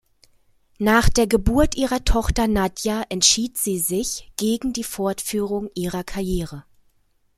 Nach der Geburt ihrer Tochter Nadja entschied sie sich gegen die Fortführung ihrer Karriere.